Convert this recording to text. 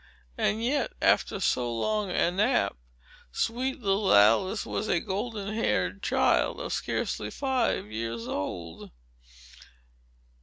And yet, after so long a nap, sweet little Alice was a golden haired child, of scarcely five years old.